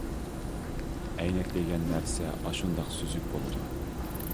ئەينەك دېگەن نەرسە ئاشۇنداق سۈزۈك بولىدۇ.